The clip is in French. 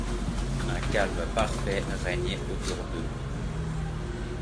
Un calme parfait régnait autour d’eux